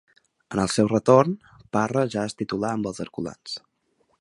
En el seu retorn, Parra ja és titular amb els herculans.